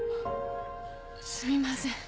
すみません。